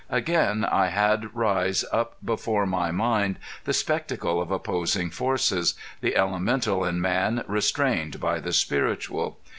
Again I had rise up before my mind the spectacle of opposing forces the elemental in man restrained by the spiritual.